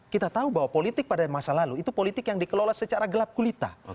kita tahu bahwa politik pada masa lalu itu politik yang dikelola secara gelap kulita